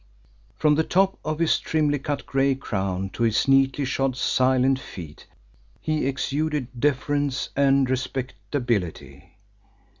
From the top of his trimly cut grey crown to his neatly shod silent feet he exuded deference and respectability.